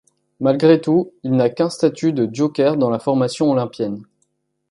Malgré tout, il n'a qu'un statut de joker dans la formation olympienne.